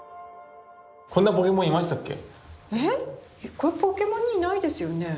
これポケモンにいないですよね？